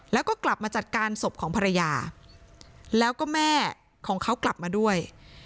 แล้วก็กลับมาจัดการศพของภรรยาแล้วก็แม่ของเขากลับมาด้วย